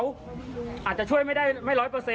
อาจจะช่วยไม่ได้ไม่๑๐๐